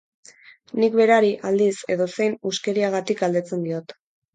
Nik berari, aldiz, edozein huskeriagatik galdetzen diot.